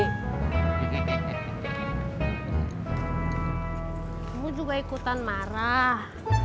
kamu juga ikutan marah